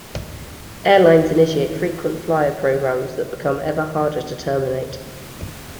Airlines initiate frequent-flyer programs that become ever harder to terminate.